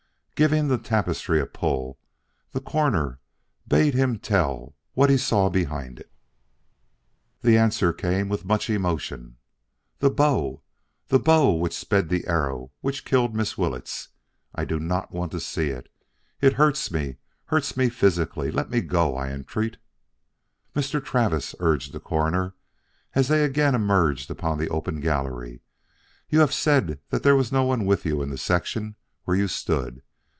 Giving the tapestry a pull, the Coroner bade him tell what he saw behind it. The answer came with much emotion. "The bow! The bow which sped the arrow which killed Miss Willetts. I do not want to see it. It hurts me hurts me physically. Let me go, I entreat." "Mr. Travis," urged the Coroner as they again emerged upon the open gallery, "you have said that there was no one with you in the section where you stood.